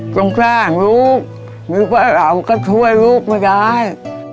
ต้องการลูกมีพลาเหล่าก็ช่วยลูกไม่ได้